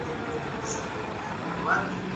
بهرنۍ پالیسي د نړیوالو سازمانونو څخه جلا نه ده.